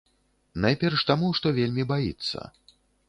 Найперш таму, што вельмі баіцца.